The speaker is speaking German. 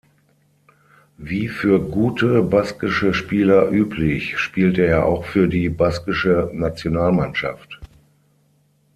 Wie für gute baskische Spieler üblich spielte er auch für die baskische Nationalmannschaft.